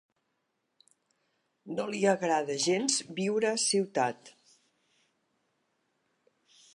No li agrada gens viure a ciutat.